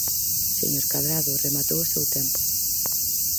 Señor Cadrado, rematou o seu tempo.